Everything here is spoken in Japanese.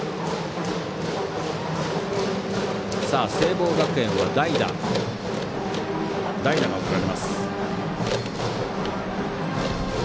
聖望学園は代打が送られます。